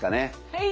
はい。